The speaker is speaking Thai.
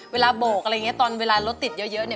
เวลาโบกอะไรอย่างนี้ตอนเวลารถติดเยอะ